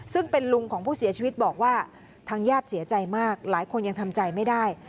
ซึ่งเป็นลุงของผู้เสียชีวิตบอกว่าทางญาติเสียใจมากหลายคนยังทำใจไม่ได้